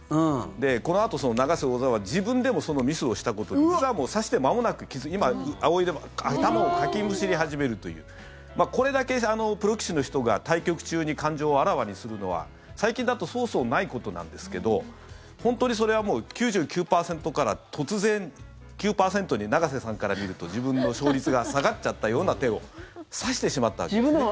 このあと永瀬王座は自分でもそのミスをしたことを実は指して間もなく今、頭をかきむしり始めるというこれだけプロ棋士の人が対局中に感情をあらわにするのは最近だとそうそうないことなんですけど本当にそれはもう９９％から突然、９％に永瀬さんから見ると自分の勝率が下がっちゃったような手を指してしまったんですね。